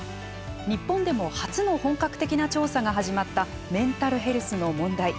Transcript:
日本でも初の本格的な調査が始まったメンタルヘルスの問題。